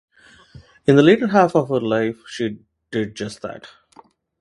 In the latter half of her life she did just that.